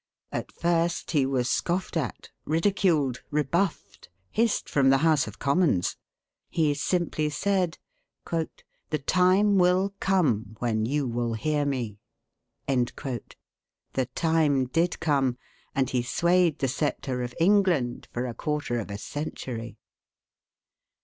At first he was scoffed at, ridiculed, rebuffed, hissed from the House of Commons; he simply said, "The time will come when you will hear me." The time did come, and he swayed the sceptre of England for a quarter of a century.